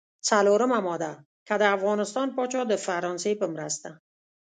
څلورمه ماده: که د افغانستان پاچا د فرانسې په مرسته.